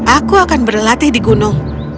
aku akan berlatih di gunung